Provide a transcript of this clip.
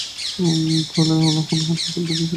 বলেই হন হন করে হাত দুলিয়ে চলে গেল।